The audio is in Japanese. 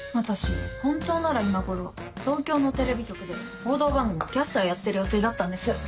私本当なら今頃東京のテレビ局で報道番組のキャスターやってる予定だったんです。